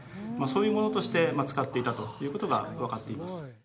そういうものとして使っていたということが分かっています